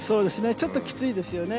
ちょっときついですよね。